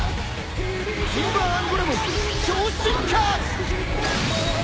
ジンバーアンゴラモン超進化！